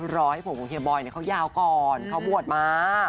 รอให้ผมของเฮีบอยเขายาวก่อนเขาบวชมา